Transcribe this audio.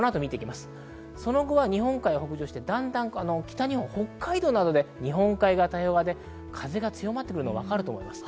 その後は日本海に北上してだんだん北日本、北海道などで日本海側、太平洋側で風が強まってくるのが分かります。